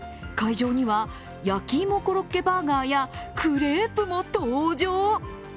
会場には焼き芋コロッケバーガーやクレープも登場。